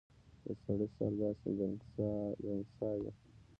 د سړي سر داسې ګنګساوه.